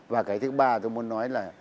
và cái thứ ba tôi muốn nói là